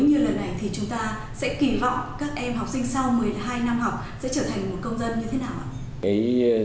như lần này thì chúng ta sẽ kỳ vọng các em học sinh sau một mươi hai năm học sẽ trở thành một công dân như thế nào ạ